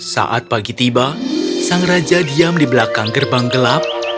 saat pagi tiba sang raja diam di belakang gerbang gelap